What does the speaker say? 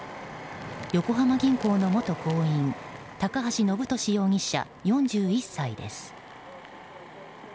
横浜銀行の元行員高橋延年容疑者、４１歳です。